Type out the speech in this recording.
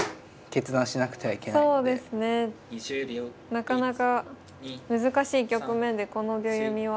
なかなか難しい局面でこの秒読みは。